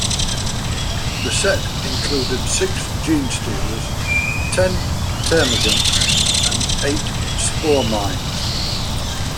The set included six Genestealers, ten Termagants, and eight Spore Mines.